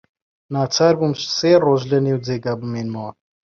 ناچار بووم سێ ڕۆژ لەنێو جێگا بمێنمەوە.